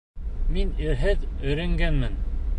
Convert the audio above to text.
Мин ирһеҙ өйрәнгәнмен.